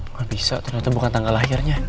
wah bisa ternyata bukan tanggal lahirnya